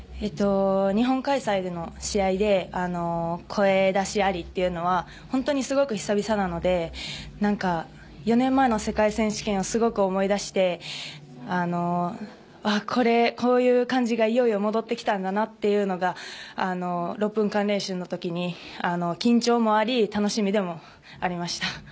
日本開催での試合で声出しありというのは本当にすごく久々なので４年前の世界選手権をすごい思い出してああ、こういう感じがいよいよ戻ってきたんだなというのが６分間練習の時に緊張もあり楽しみでもありました。